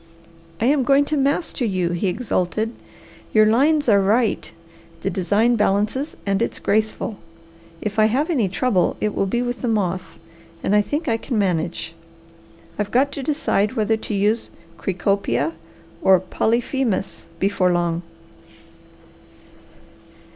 "I am going to master you!" he exulted. "Your lines are right. The design balances and it's graceful. If I have any trouble it will be with the moth, and I think I can manage. I've got to decide whether to use cecropia or polyphemus before long.